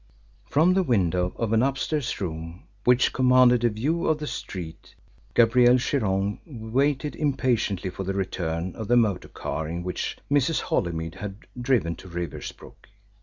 From the window of an upstairs room which commanded a view of the street, Gabrielle Chiron waited impatiently for the return of the motor car in which Mrs. Holymead had driven to Riversbrook.